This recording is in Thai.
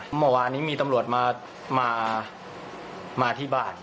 เมื่อวานนี้มีตำรวจมาที่บ้าน